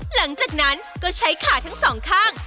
หลังจากนั้นก็ใช้ขาทั้งสองข้าง